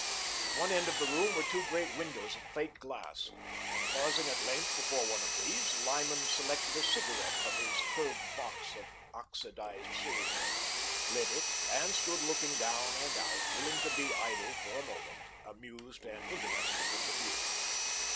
At one end of the room were two great windows of plate glass, and pausing at length before one of these, Lyman selected a cigarette from his curved box of oxydized silver, lit it and stood looking down and out, willing to be idle for a moment, amused and interested in the view.